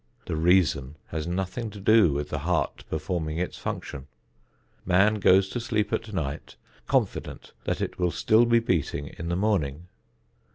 The reason has nothing to do with the heart performing its function. Man goes to sleep at night confident that it will still be beating in the morning.